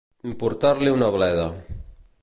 Importar-li una bleda.